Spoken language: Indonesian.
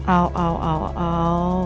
aduh aduh aduh